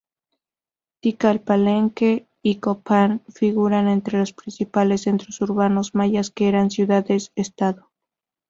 Tikal, Palenque y Copán figuran entre los principales centros urbanos mayas que eran ciudades-estado.